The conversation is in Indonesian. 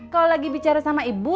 kalau lagi bicara sama ibu